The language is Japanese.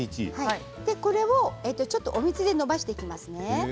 これをちょっとお水でのばしていきますね。